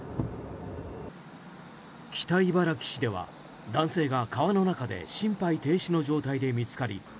北茨城市では男性が川の中で心肺停止の状態で見つかり